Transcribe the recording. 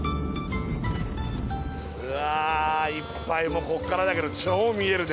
うわいっぱいこっからだけど超見えるね。